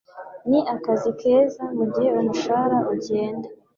Ni akazi keza, mugihe umushahara ugenda.